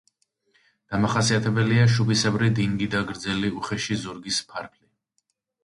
დამახასიათებელია შუბისებრი დინგი და გრძელი უხეში ზურგის ფარფლი.